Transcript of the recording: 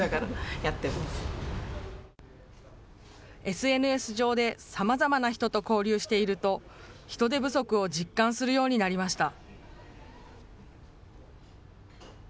ＳＮＳ上でさまざまな人と交流していると、人手不足を実感するようになりました。